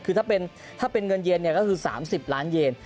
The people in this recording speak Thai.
คือถ้าเป็นเงินเย็นก็คือ๓๐ล้านเยน